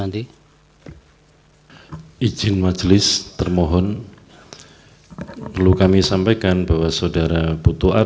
terima kasih ya mulia